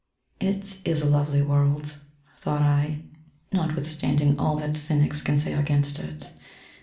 ^' It is a lovely world,^^ thought I, *^ notwithstanding aU that cynics can say against it.